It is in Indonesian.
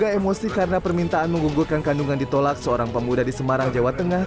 keluarga emosi karena permintaan menggugurkan kandungan ditolak seorang pemuda di semarang jawa tengah